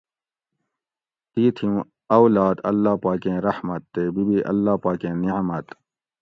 تی تھی اُوں اولاد اللّٰہ پاکیں رحمت تے بی بی اللّٰہ پاکیں نعمت